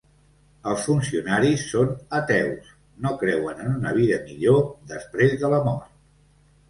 Els funcionaris són ateus: no creuen en una vida millor després de la mort.